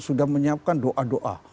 sudah menyiapkan doa doa